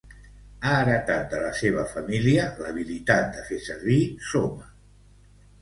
Ha heretat de la seua família l'habilitat de fer servir Soma.